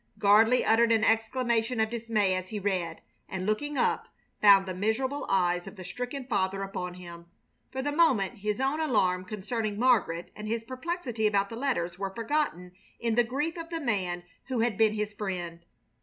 Gardley uttered an exclamation of dismay as he read, and, looking up, found the miserable eyes of the stricken father upon him. For the moment his own alarm concerning Margaret and his perplexity about the letters was forgotten in the grief of the man who had been his friend.